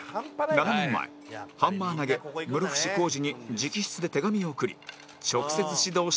７年前ハンマー投げ室伏広治に直筆で手紙を送り直接指導してもらうように